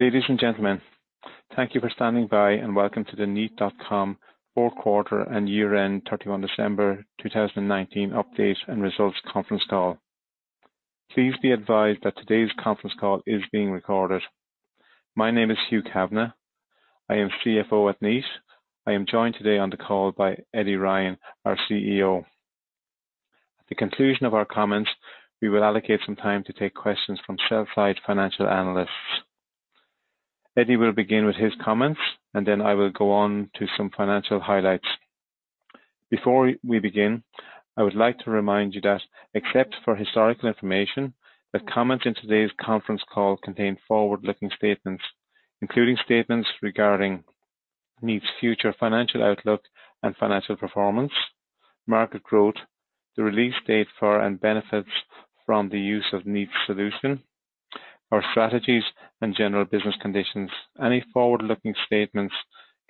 Ladies and gentlemen, thank you for standing by, welcome to the Kneat.com fourth quarter and year end, December 31, 2019 update and results conference call. Please be advised that today's conference call is being recorded. My name is Hugh Kavanagh. I am CFO at Kneat. I am joined today on the call by Eddie Ryan, our CEO. At the conclusion of our comments, we will allocate some time to take questions from sell-side financial analysts. Eddie will begin with his comments, then I will go on to some financial highlights. Before we begin, I would like to remind you that except for historical information, the comments in today's conference call contain forward-looking statements, including statements regarding Kneat's future financial outlook and financial performance, market growth, the release date for and benefits from the use of Kneat's solution, our strategies, and general business conditions. Any forward-looking statements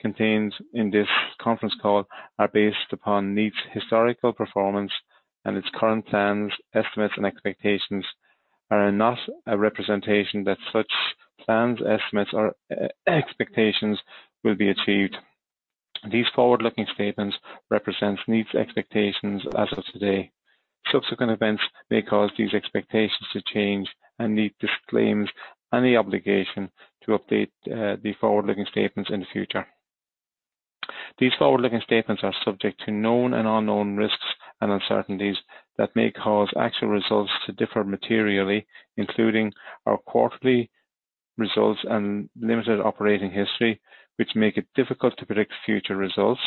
contained in this conference call are based upon Kneat's historical performance and its current plans, estimates, and expectations, are not a representation that such plans, estimates, or expectations will be achieved. These forward-looking statements represent Kneat's expectations as of today. Subsequent events may cause these expectations to change, and Kneat disclaims any obligation to update the forward-looking statements in the future. These forward-looking statements are subject to known and unknown risks and uncertainties that may cause actual results to differ materially, including our quarterly results and limited operating history, which make it difficult to predict future results,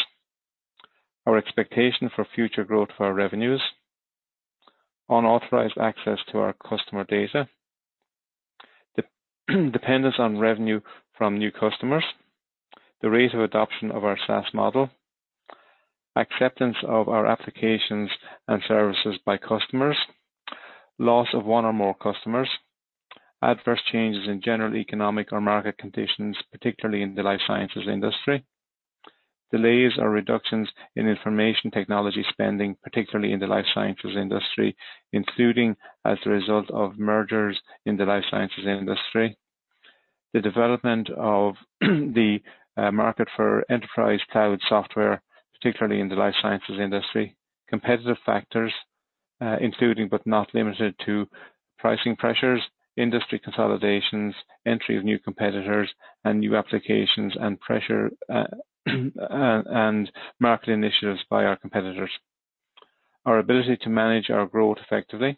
our expectation for future growth for our revenues, unauthorized access to our customer data, dependence on revenue from new customers, the rate of adoption of our SaaS model, acceptance of our applications and services by customers, loss of one or more customers, adverse changes in general economic or market conditions, particularly in the life sciences industry. Delays or reductions in information technology spending, particularly in the life sciences industry, including as a result of mergers in the life sciences industry, the development of the market for enterprise cloud software, particularly in the life sciences industry, competitive factors including but not limited to pricing pressures, industry consolidations, entry of new competitors and new applications and marketing initiatives by our competitors, our ability to manage our growth effectively,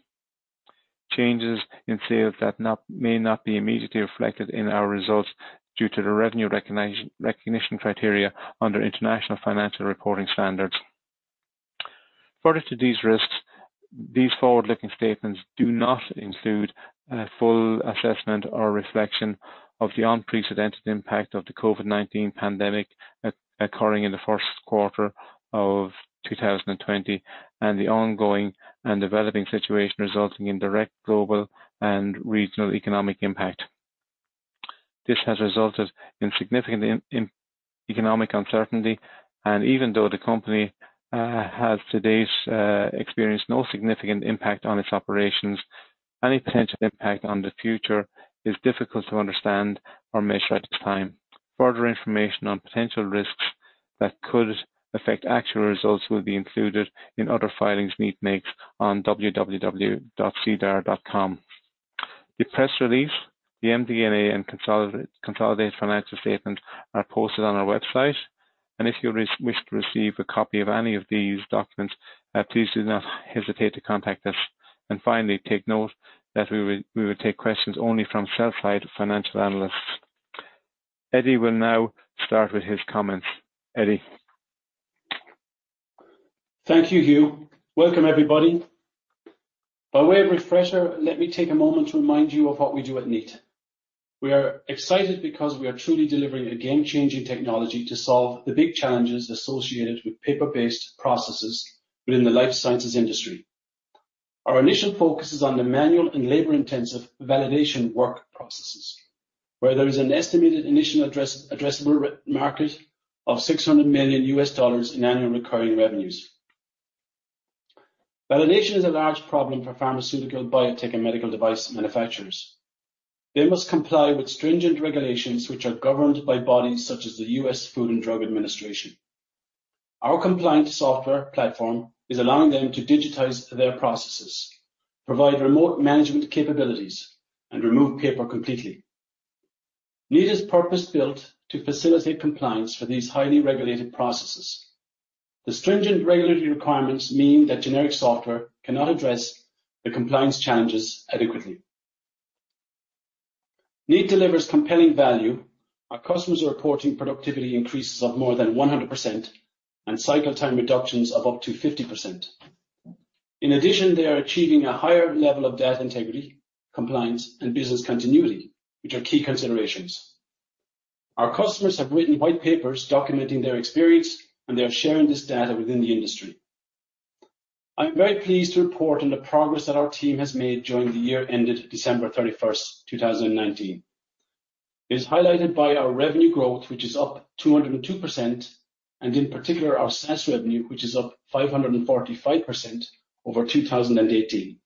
changes in sales that may not be immediately reflected in our results due to the revenue recognition criteria under international financial reporting standards. Further to these risks, these forward-looking statements do not include a full assessment or reflection of the unprecedented impact of the COVID-19 pandemic occurring in the first quarter of 2020 and the ongoing and developing situation resulting in direct global and regional economic impact. This has resulted in significant economic uncertainty, and even though the company has to date experienced no significant impact on its operations, any potential impact on the future is difficult to understand or measure at this time. Further information on potential risks that could affect actual results will be included in other filings Kneat makes on www.sedar.com. The press release, the MD&A, and consolidated financial statements are posted on our website. If you wish to receive a copy of any of these documents, please do not hesitate to contact us. Finally, take note that we will take questions only from sell-side financial analysts. Eddie will now start with his comments. Eddie. Thank you, Hugh. Welcome, everybody. By way of refresher, let me take a moment to remind you of what we do at Kneat. We are excited because we are truly delivering a game-changing technology to solve the big challenges associated with paper-based processes within the life sciences industry. Our initial focus is on the manual and labor-intensive validation work processes, where there is an estimated initial addressable market of CAD 600 million in annual recurring revenues. Validation is a large problem for pharmaceutical, biotech, and medical device manufacturers. They must comply with stringent regulations which are governed by bodies such as the U.S. Food and Drug Administration. Our compliance software platform is allowing them to digitize their processes, provide remote management capabilities, and remove paper completely. Kneat is purpose-built to facilitate compliance for these highly regulated processes. The stringent regulatory requirements mean that generic software cannot address the compliance challenges adequately. Kneat delivers compelling value. Our customers are reporting productivity increases of more than 100% and cycle time reductions of up to 50%. In addition, they are achieving a higher level of data integrity, compliance, and business continuity, which are key considerations. Our customers have written white papers documenting their experience, and they are sharing this data within the industry. I'm very pleased to report on the progress that our team has made during the year ended December 31st, 2019. It is highlighted by our revenue growth, which is up 202%, and in particular, our SaaS revenue, which is up 545% over 2018,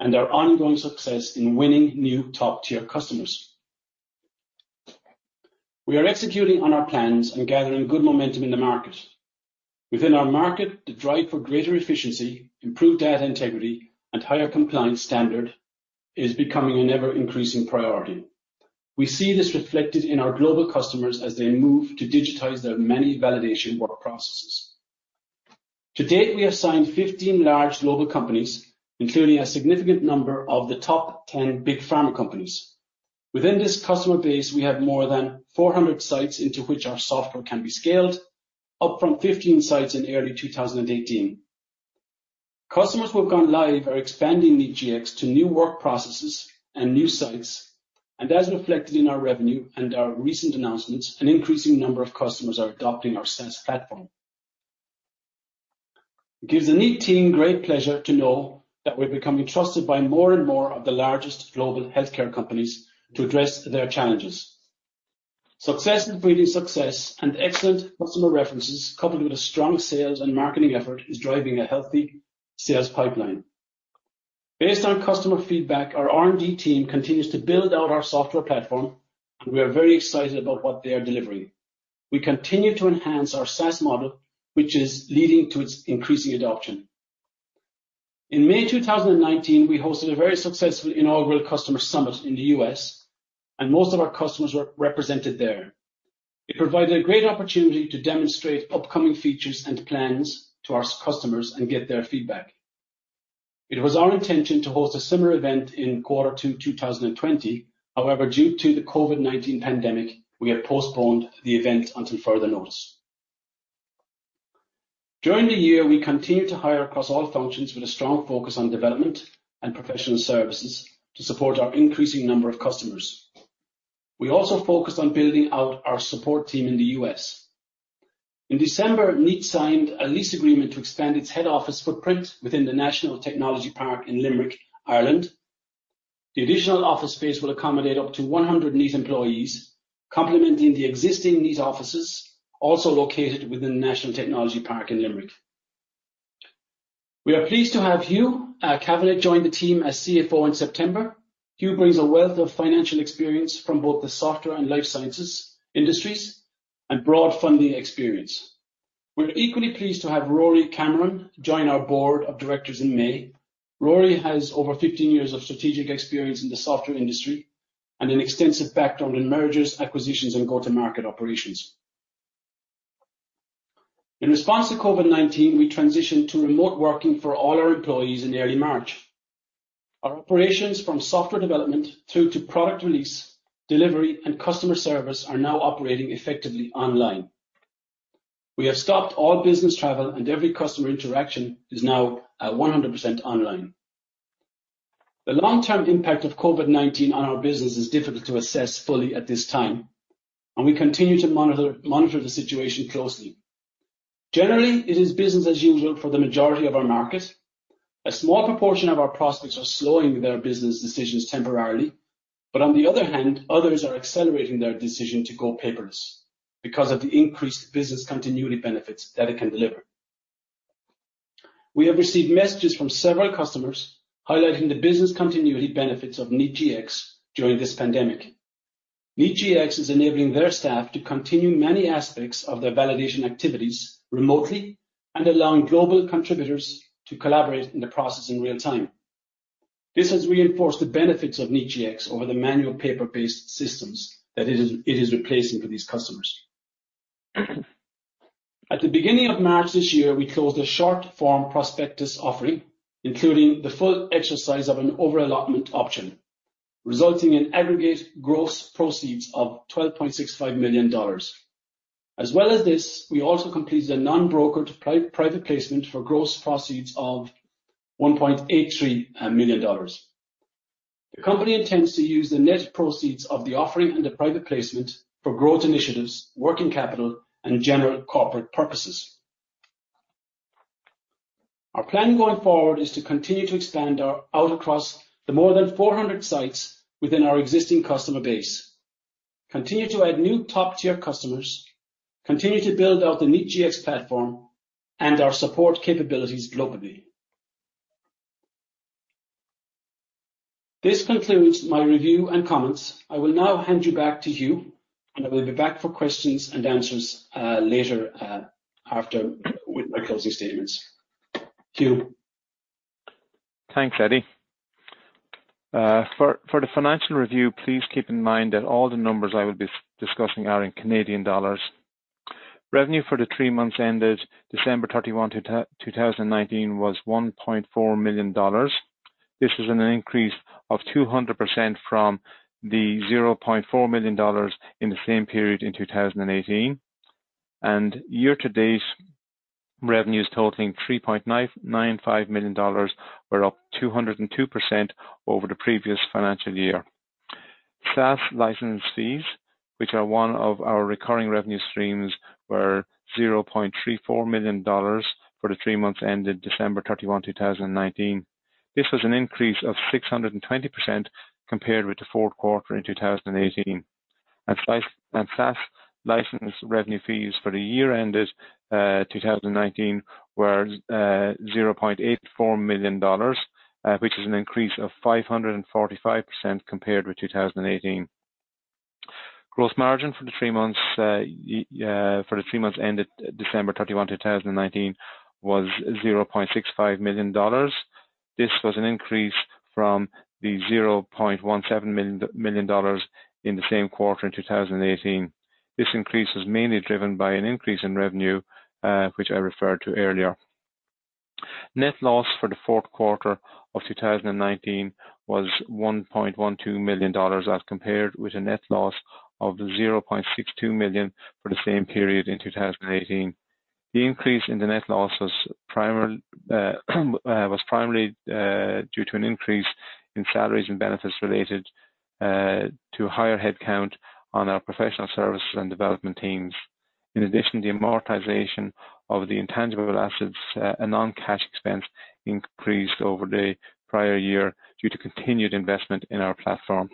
and our ongoing success in winning new top-tier customers. We are executing on our plans and gathering good momentum in the market. Within our market, the drive for greater efficiency, improved data integrity, and higher compliance standard is becoming an ever-increasing priority. We see this reflected in our global customers as they move to digitize their many validation work processes. To date, we have signed 15 large global companies, including a significant number of the top 10 big pharma companies. Within this customer base, we have more than 400 sites into which our software can be scaled, up from 15 sites in early 2018. Customers who have gone live are expanding Kneat Gx to new work processes and new sites, and as reflected in our revenue and our recent announcements, an increasing number of customers are adopting our SaaS platform. It gives the Kneat team great pleasure to know that we're becoming trusted by more and more of the largest global healthcare companies to address their challenges. Success in breeding success and excellent customer references, coupled with a strong sales and marketing effort, is driving a healthy sales pipeline. Based on customer feedback, our R&D team continues to build out our software platform, and we are very excited about what they are delivering. We continue to enhance our SaaS model, which is leading to its increasing adoption. In May 2019, we hosted a very successful inaugural customer summit in the U.S., and most of our customers were represented there. It provided a great opportunity to demonstrate upcoming features and plans to our customers and get their feedback. It was our intention to host a similar event in quarter two 2020. However, due to the COVID-19 pandemic, we have postponed the event until further notice. During the year, we continued to hire across all functions with a strong focus on development and professional services to support our increasing number of customers. We also focused on building out our support team in the U.S. In December, Kneat signed a lease agreement to expand its head office footprint within the National Technology Park in Limerick, Ireland. The additional office space will accommodate up to 100 Kneat employees, complementing the existing Kneat offices, also located within the National Technology Park in Limerick. We are pleased to have Hugh Kavanagh join the team as CFO in September. Hugh brings a wealth of financial experience from both the software and life sciences industries and broad funding experience. We're equally pleased to have Rory Cameron join our Board of Directors in May. Rory has over 15 years of strategic experience in the software industry and an extensive background in mergers, acquisitions, and go-to-market operations. In response to COVID-19, we transitioned to remote working for all our employees in early March. Our operations from software development through to product release, delivery, and customer service are now operating effectively online. We have stopped all business travel, and every customer interaction is now at 100% online. The long-term impact of COVID-19 on our business is difficult to assess fully at this time, and we continue to monitor the situation closely. Generally, it is business as usual for the majority of our market. A small proportion of our prospects are slowing their business decisions temporarily, but on the other hand, others are accelerating their decision to go paperless because of the increased business continuity benefits that it can deliver. We have received messages from several customers highlighting the business continuity benefits of Kneat Gx during this pandemic. Kneat Gx is enabling their staff to continue many aspects of their validation activities remotely and allowing global contributors to collaborate in the process in real time. This has reinforced the benefits of Kneat Gx over the manual paper-based systems that it is replacing for these customers. At the beginning of March this year, we closed a short-form prospectus offering, including the full exercise of an over-allotment option, resulting in aggregate gross proceeds of 12.65 million dollars. As well as this, we also completed a non-brokered private placement for gross proceeds of 1.83 million dollars. The company intends to use the net proceeds of the offering and the private placement for growth initiatives, working capital, and general corporate purposes. Our plan going forward is to continue to expand out across the more than 400 sites within our existing customer base, continue to add new top-tier customers, continue to build out the Kneat Gx platform and our support capabilities globally. This concludes my review and comments. I will now hand you back to Hugh, and I will be back for questions and answers later with my closing statements. Hugh? Thanks, Eddie. For the financial review, please keep in mind that all the numbers I will be discussing are in Canadian dollars. Revenue for the three months ended December 31, 2019, was 1.4 million dollars. This is an increase of 200% from the 0.4 million dollars in the same period in 2018, and year-to-date revenues totaling 3.95 million dollars were up 202% over the previous financial year. SaaS license fees, which are one of our recurring revenue streams, were 0.34 million dollars for the three months ended December 31, 2019. This was an increase of 620% compared with the fourth quarter in 2018. SaaS license revenue fees for the year ended 2019 were 0.84 million dollars, which is an increase of 545% compared with 2018. Gross margin for the three months ended December 31, 2019, was 0.65 million dollars. This was an increase from the 0.17 million dollars in the same quarter in 2018. This increase was mainly driven by an increase in revenue, which I referred to earlier. Net loss for the fourth quarter of 2019 was 1.12 million dollars as compared with a net loss of 0.62 million for the same period in 2018. The increase in the net loss was primarily due to an increase in salaries and benefits related to higher headcount on our professional service and development teams. In addition, the amortization of the intangible assets, a non-cash expense, increased over the prior year due to continued investment in our platform.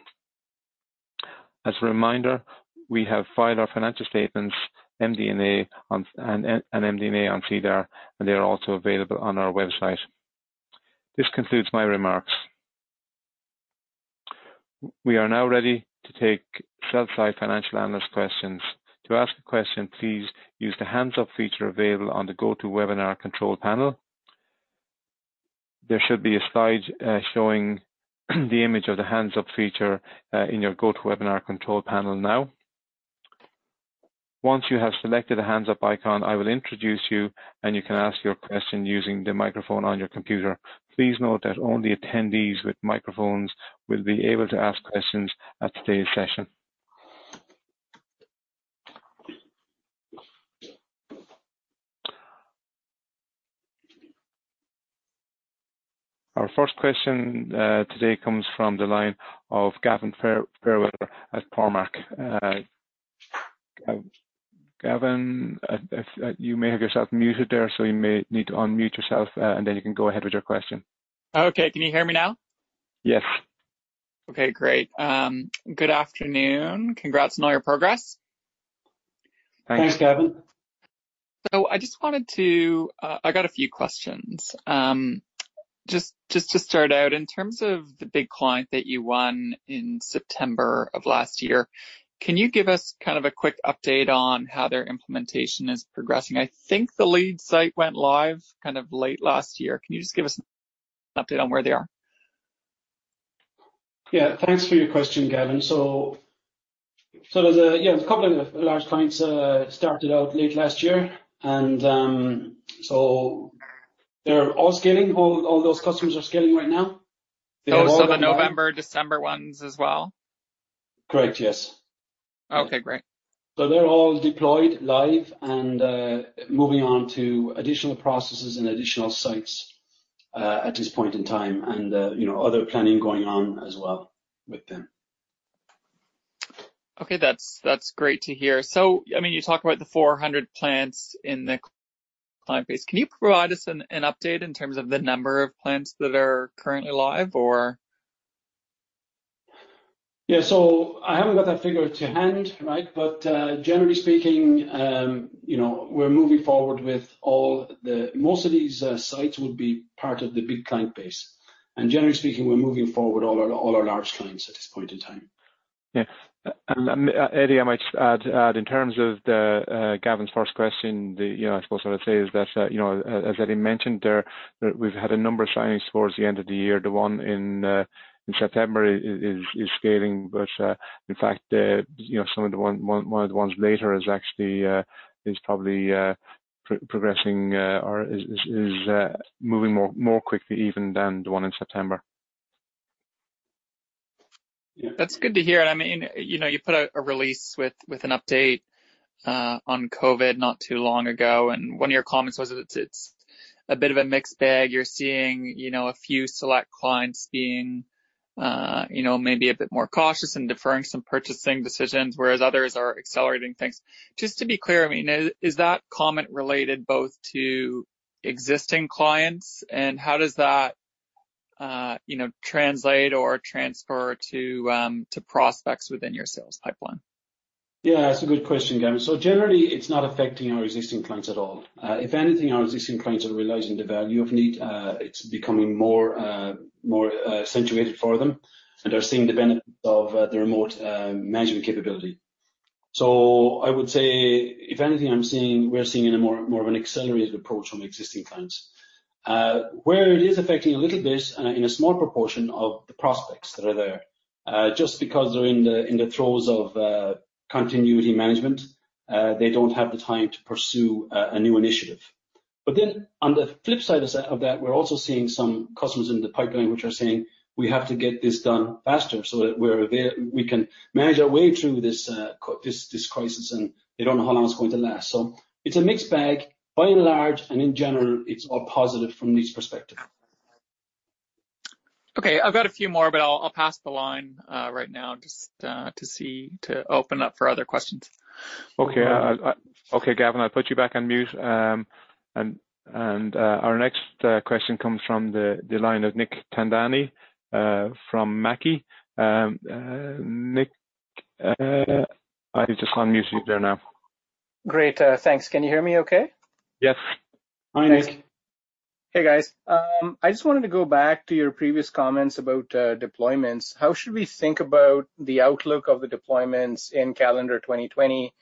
As a reminder, we have filed our financial statements and MD&A on SEDAR, and they are also available on our website. This concludes my remarks. We are now ready to take sell-side financial analyst questions. To ask a question, please use the hands up feature available on the GoTo Webinar control panel. There should be a slide showing the image of the hands up feature in your GoTo Webinar control panel now. Once you have selected the hands up icon, I will introduce you, and you can ask your question using the microphone on your computer. Please note that only attendees with microphones will be able to ask questions at today's session. Our first question today comes from the line of Gavin Fairweather at Cormark. Gavin, you may have yourself muted there, so you may need to unmute yourself, and then you can go ahead with your question. Okay. Can you hear me now? Yes. Okay, great. Good afternoon. Congrats on all your progress. Thanks. Thanks, Gavin. I got a few questions. Just to start out, in terms of the big client that you won in September of last year, can you give us kind of a quick update on how their implementation is progressing? I think the lead site went live kind of late last year. Can you just give us an update on where they are? Yeah. Thanks for your question, Gavin. There's a couple of large clients started out late last year, and so all those customers are scaling right now. Oh, the November, December ones as well? Correct, yes. Okay, great. They're all deployed live and moving on to additional processes and additional sites, at this point in time, and other planning going on as well with them. You talk about the 400 plants in the client base. Can you provide us an update in terms of the number of plants that are currently live or? Yeah. I haven't got that figure to hand, right? Generally speaking, we're moving forward with most of these sites would be part of the big client base. Generally speaking, we're moving forward all our large clients at this point in time. Yeah. Eddie, I might just add, in terms of Gavin’s first question, I suppose I would say is that, as Eddie mentioned there, we’ve had a number of signings towards the end of the year. The one in September is scaling. In fact one of the ones later is probably progressing or is moving more quickly even than the one in September. That's good to hear. You put out a release with an update on COVID not too long ago, and one of your comments was that it's a bit of a mixed bag. You're seeing a few select clients being maybe a bit more cautious and deferring some purchasing decisions, whereas others are accelerating things. Just to be clear, is that comment related both to existing clients, and how does that translate or transfer to prospects within your sales pipeline? Yeah, that's a good question, Gavin. Generally, it's not affecting our existing clients at all. If anything, our existing clients are realizing the value of Kneat. It's becoming more accentuated for them, and are seeing the benefits of the remote management capability. I would say, if anything, we're seeing more of an accelerated approach from existing clients. Where it is affecting a little bit in a small proportion of the prospects that are there, just because they're in the throes of continuity management, they don't have the time to pursue a new initiative. On the flip side of that, we're also seeing some customers in the pipeline which are saying, "We have to get this done faster so that we can manage our way through this crisis," and they don't know how long it's going to last. It's a mixed bag. By and large, and in general, it's all positive from Kneat's perspective. Okay, I've got a few more, but I'll pass the line right now just to open up for other questions. Okay, Gavin, I'll put you back on mute. Our next question comes from the line of Nick Thadani from Mackie. Nick, I'll just unmute you there now. Great. Thanks. Can you hear me okay? Yes. Hi, Nick. Hey, guys. I just wanted to go back to your previous comments about deployments. How should we think about the outlook of the deployments in calendar 2020,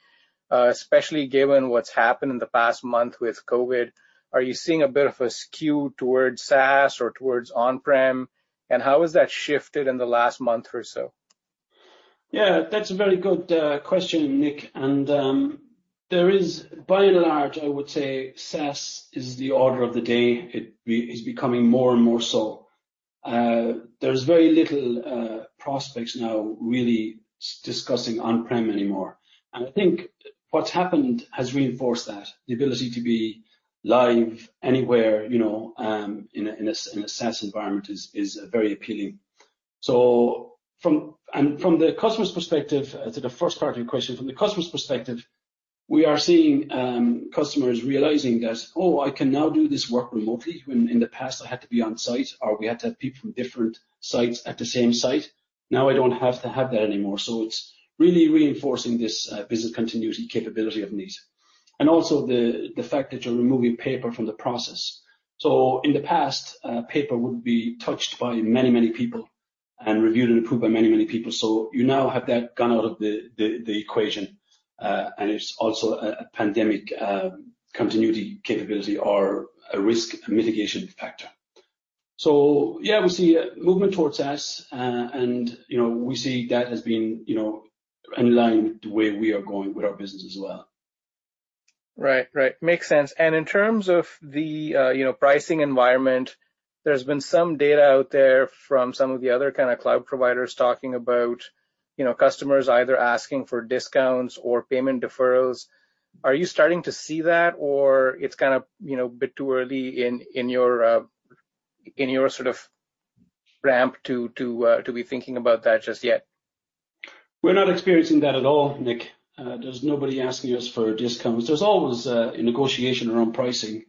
especially given what's happened in the past month with COVID-19? Are you seeing a bit of a skew towards SaaS or towards on-prem, and how has that shifted in the last month or so? That's a very good question, Nick. There is by and large, I would say SaaS is the order of the day. It is becoming more and more so. There's very little prospects now really discussing on-prem anymore. I think what's happened has reinforced that. The ability to be live anywhere, in a SaaS environment is very appealing. From the customer's perspective, to the first part of your question, from the customer's perspective, we are seeing customers realizing that, "Oh, I can now do this work remotely, when in the past I had to be on-site, or we had to have people from different sites at the same site. Now I don't have to have that anymore." It's really reinforcing this business continuity capability of Kneat. Also the fact that you're removing paper from the process. In the past, paper would be touched by many, many people and reviewed and approved by many, many people. You now have that gone out of the equation. It's also a pandemic continuity capability or a risk mitigation factor. Yeah, we see movement towards us. We see that has been in line with the way we are going with our business as well. Right. Makes sense. In terms of the pricing environment, there's been some data out there from some of the other kind of cloud providers talking about customers either asking for discounts or payment deferrals. Are you starting to see that or it's kind of bit too early in your sort of ramp to be thinking about that just yet? We're not experiencing that at all, Nick. There's nobody asking us for discounts. There's always a negotiation around pricing,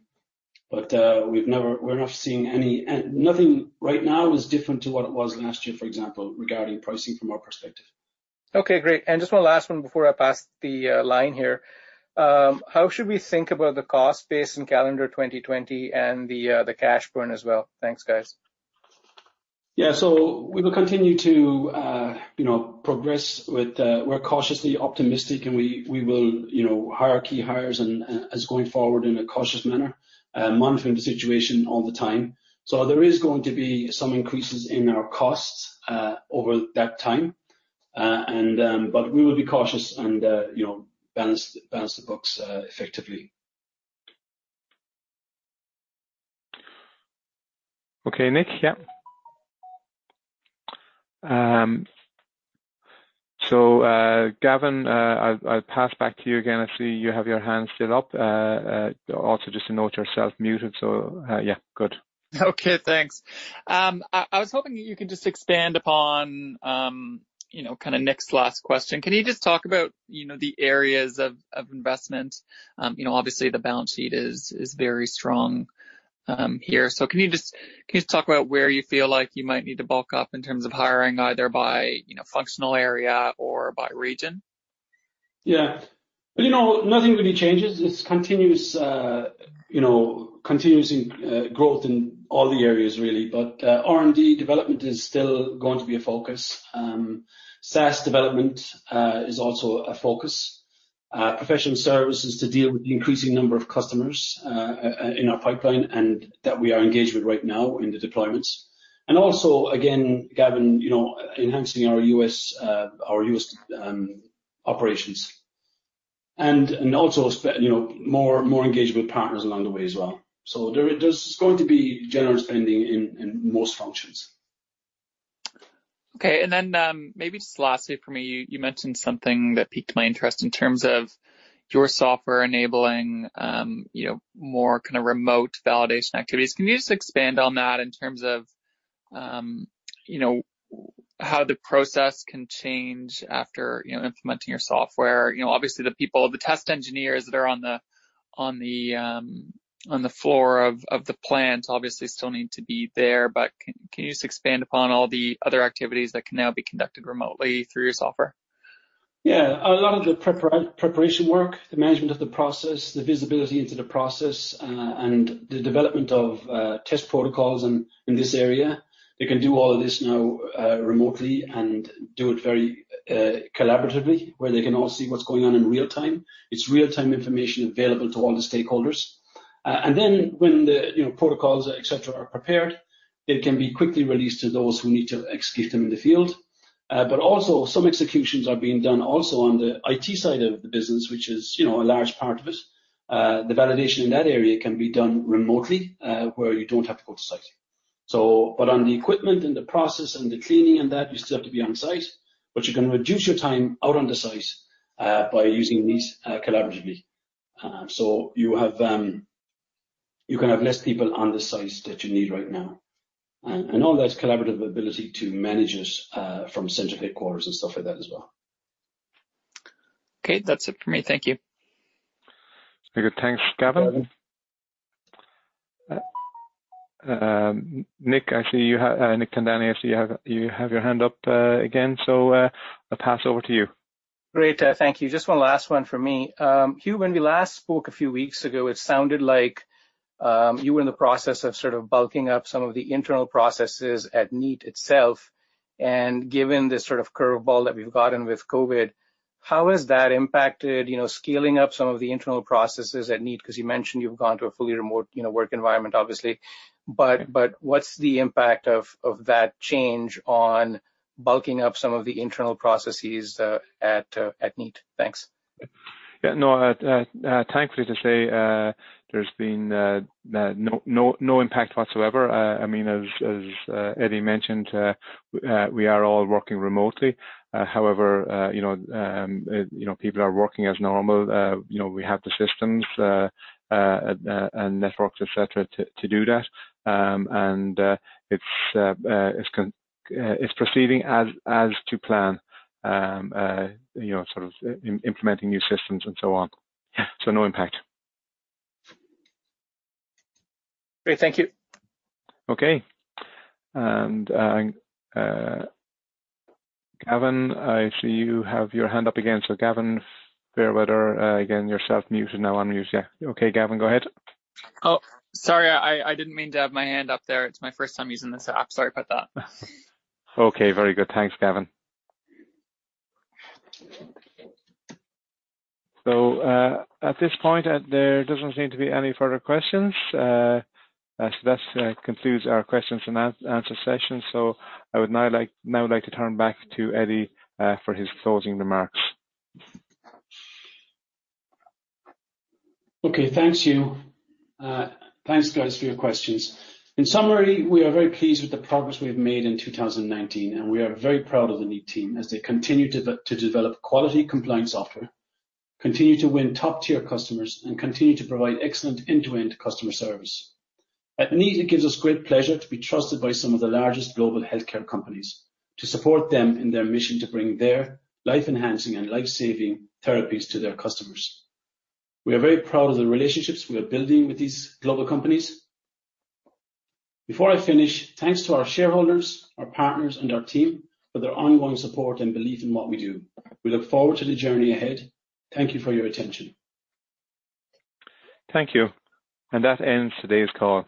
but Nothing right now is different to what it was last year, for example, regarding pricing from our perspective. Okay, great. Just one last one before I pass the line here. How should we think about the cost base in calendar 2020 and the cash burn as well? Thanks, guys. Yeah, we will continue to progress. We're cautiously optimistic, and we will hire key hires as going forward in a cautious manner, monitoring the situation all the time. There is going to be some increases in our costs over that time. We will be cautious and balance the books effectively. Okay, Nick. Yeah. Gavin, I'll pass back to you again. I see you have your hand still up. Also just a note, you're self-muted, so yeah, good. Okay, thanks. I was hoping you could just expand upon kind of Nick's last question. Can you just talk about the areas of investment? Obviously, the balance sheet is very strong here. Can you just talk about where you feel like you might need to bulk up in terms of hiring, either by functional area or by region? Yeah. Nothing really changes. It's continuous growth in all the areas really. R&D development is still going to be a focus. SaaS development is also a focus. Professional services to deal with the increasing number of customers in our pipeline and that we are engaged with right now in the deployments. Also, again, Gavin, enhancing our U.S. operations. Also more engagement with partners along the way as well. There's going to be general spending in most functions. Okay. Then maybe just lastly from me, you mentioned something that piqued my interest in terms of your software enabling more kind of remote validation activities. Can you just expand on that in terms of how the process can change after implementing your software? Obviously, the people, the test engineers that are on the floor of the plant obviously still need to be there, but can you just expand upon all the other activities that can now be conducted remotely through your software? Yeah. A lot of the preparation work, the management of the process, the visibility into the process, and the development of test protocols in this area, they can do all of this now remotely and do it very collaboratively, where they can all see what's going on in real-time. It's real-time information available to all the stakeholders. When the protocols, et cetera, are prepared, they can be quickly released to those who need to execute them in the field. Some executions are being done also on the IT side of the business, which is a large part of it. The validation in that area can be done remotely, where you don't have to go to site. On the equipment and the process and the cleaning and that, you still have to be on-site, but you can reduce your time out on the site by using Kneat collaboratively. You can have less people on the site that you need right now. All those collaborative ability to manage this from central headquarters and stuff like that as well. Okay, that's it for me. Thank you. Very good. Thanks, Nick Thadani, I see you have your hand up again, so I'll pass over to you. Great. Thank you. Just one last one from me. Hugh, when we last spoke a few weeks ago, it sounded like you were in the process of sort of bulking up some of the internal processes at Kneat itself, and given this sort of curve ball that we've gotten with COVID, how has that impacted scaling up some of the internal processes at Kneat? Because you mentioned you've gone to a fully remote work environment, obviously. What's the impact of that change on bulking up some of the internal processes at Kneat? Thanks. Yeah, no. Thankfully to say, there's been no impact whatsoever. As Eddie mentioned, we are all working remotely. However, people are working as normal. We have the systems and networks, et cetera, to do that. It's proceeding as to plan, sort of implementing new systems and so on. No impact. Great. Thank you. Okay. Gavin, I see you have your hand up again. Gavin Fairweather, again, you're self-muted. Now un-mute. Yeah. Okay, Gavin, go ahead. Sorry, I didn't mean to have my hand up there. It's my first time using this app. Sorry about that. Okay, very good. Thanks, Gavin. At this point, there doesn't seem to be any further questions. That concludes our questions and answer session. I would now like to turn back to Eddie for his closing remarks. Okay. Thanks, Hugh. Thanks, guys, for your questions. In summary, we are very pleased with the progress we have made in 2019, and we are very proud of the Kneat team as they continue to develop quality compliance software, continue to win top-tier customers, and continue to provide excellent end-to-end customer service. At Kneat, it gives us great pleasure to be trusted by some of the largest global healthcare companies to support them in their mission to bring their life-enhancing and life-saving therapies to their customers. We are very proud of the relationships we are building with these global companies. Before I finish, thanks to our shareholders, our partners, and our team for their ongoing support and belief in what we do. We look forward to the journey ahead. Thank you for your attention. Thank you. That ends today's call.